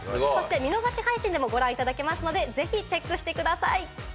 見逃し配信でもご覧いただけますので、ぜひチェックしてください。